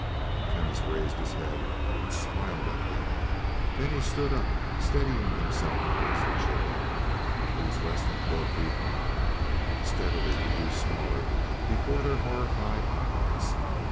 The Chemist raised his head and smiled at them. Then he stood up, steadying himself against a chair. He was less than four feet high. Steadily he grew smaller before their horrified eyes.